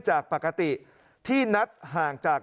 จากปกติที่นัดห่างจาก